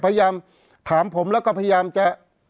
เพราะฉะนั้นประชาธิปไตยเนี่ยคือการยอมรับความเห็นที่แตกต่าง